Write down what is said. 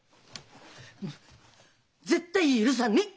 絶対許さねっ！